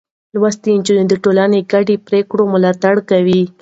لوستې نجونې د ټولنې ګډې پرېکړې ملاتړ کوي.